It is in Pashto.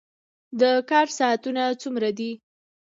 د کار ساعتونه څومره دي؟